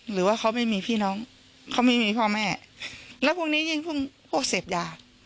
หรือว่าเขาไม่มีพี่น้องเขาไม่มีพ่อแม่แล้วพวกนี้ยิ่งพวกเสพยา